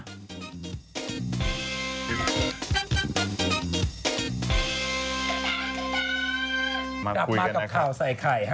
กลับมากับข่าวใส่ไข่ฮะ